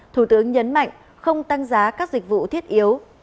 thủ tướng nhấn mạnh không tăng giá các dịch vụ thiết yếu